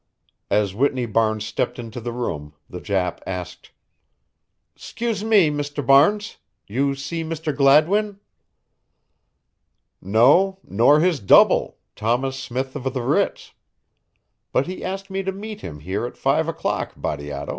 As Whitney Barnes stepped into the room the Jap asked: "'Scuse me, Mr. Barnes you see Mr. Gladwin?" "No, nor his double, Thomas Smith of the Ritz; but he asked me to meet him here at 5 o'clock, Bateato."